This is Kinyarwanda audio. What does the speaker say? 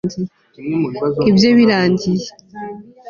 ibye birangiye